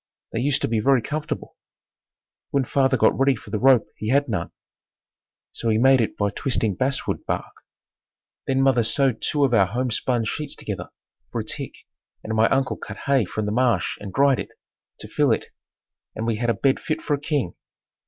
They used to be very comfortable. When father got ready for the rope he had none, so he made it by twisting basswood bark. Then mother sewed two of our home spun sheets together for a tick and my uncle cut hay from the marsh and dried it, to fill it and we had a bed fit for a king.